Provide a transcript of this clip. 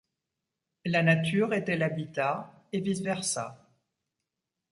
La nature était l’habitat, et vice-versa.